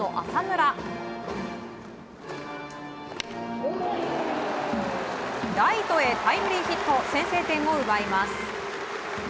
ライトへタイムリーヒット先制点を奪います。